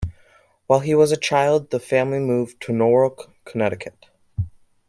While he was a child the family moved to Norwalk, Connecticut.